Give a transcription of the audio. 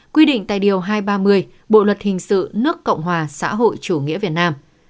quy định tại điều hai trăm ba mươi bộ luật hình sự nước cộng hòa xã hội chủ nghĩa việt nam